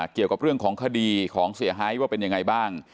เกี่ยวกับเรื่องของคดีของเสียหายว่าเป็นยังไงบ้าง